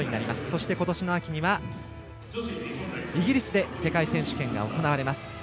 そして、ことしの秋にはイギリスで世界選手権が行われます。